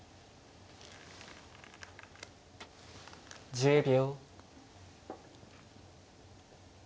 １０秒。